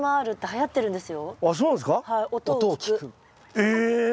え！